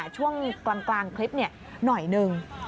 ช่วงกลางคลิปเนี่ยหน่อยนึง